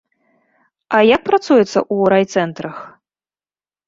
А як працуецца ў райцэнтрах?